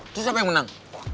terus siapa yang menang